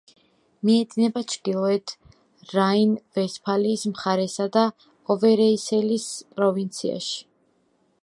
მიედინება ჩრდილოეთ რაინ-ვესტფალიის მხარესა და ოვერეისელის პროვინციაში.